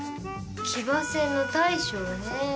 騎馬戦の大将ねぇ。